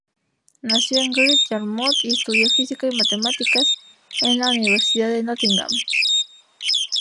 Nació en Great Yarmouth y estudió física y matemáticas en la Universidad de Nottingham.